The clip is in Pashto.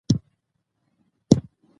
نمک د افغان ښځو په ژوند کې رول لري.